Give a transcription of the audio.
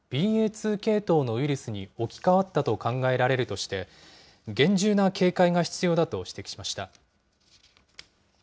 ２系統のウイルスに置き換わったと考えられるとして、厳重な警戒が必要だと指摘しました。